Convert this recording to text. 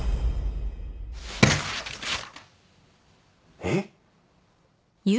えっ？